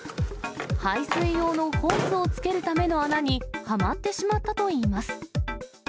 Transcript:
排水用のホースをつけるための穴に、はまってしまったといいます。